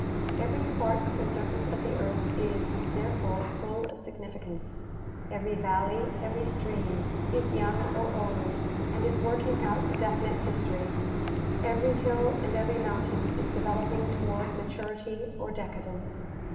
Every part of the surface of the earth is, therefore, full of signifi cance. Every valle}^ every stream, is young or old, and is working out a definite histor3^ Every hill and every mountain is developing toward maturity or decadence.